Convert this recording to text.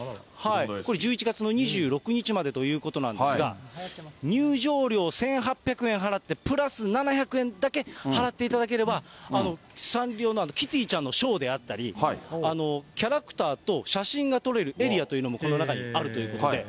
これ１１月の２６日までということなんですが、入場料１８００円払って、プラス７００円だけ払っていただければ、サンリオのキティちゃんのショーであったり、キャラクターと写真が撮れるエリアというのもこの中にあるということで。